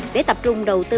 để tập trung đầu tư